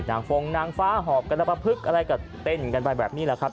นางฟองนางฟ้าหอบกะลูกปาพึกอะไรกับเต้นกันไปแบบนี้ละครับ